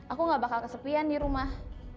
aku gak bakal kesepian di rumah